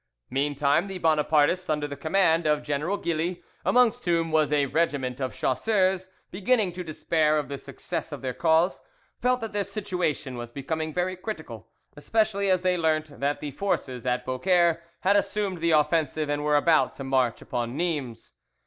Meantime the Bonapartists, under the command of General Gilly, amongst whom was a regiment of chasseurs, beginning to despair of the success of their cause, felt that their situation was becoming very critical, especially as they learnt that the forces at Beaucaire had assumed the offensive and were about to march upon Nimes.